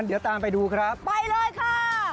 เดี๋ยวตามไปดูครับไปเลยค่ะ